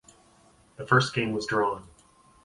The first game was drawn.